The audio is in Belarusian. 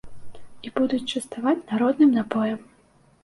І будуць частаваць народным напоем.